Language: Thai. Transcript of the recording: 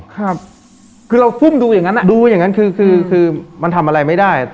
ครับคือเราฟุ่มดูอย่างนั้นอ่ะดูอย่างนั้นคือคือมันทำอะไรไม่ได้